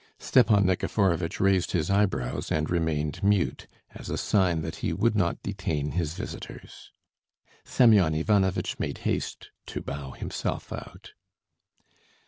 Stepan Nikiforovitch raised his eyebrows and remained mute, as a sign that he would not detain his visitors. Semyon Ivanovitch made haste to bow himself out.